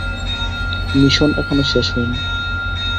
Mission এখনো শেষ হয়নি।